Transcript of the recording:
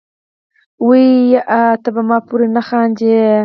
وې ئې " تۀ پۀ ما پورې نۀ خاندې،